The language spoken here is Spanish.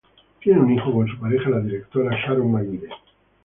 Tiene un hijo con su pareja, la directora Sharon Maguire.